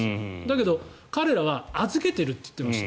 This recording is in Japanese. だけど、彼らは預けてるって言ってました。